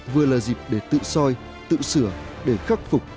vừa là dịp để tự soi tự sửa để khắc phục